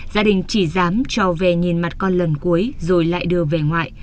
gia đình chỉ dám trò về nhìn mặt con lần cuối rồi lại đưa về ngoại